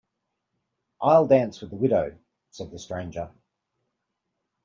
‘I’ll dance with the widow,’ said the stranger.